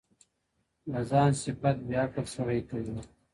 د ځان صفت بې عقل سړى کوي.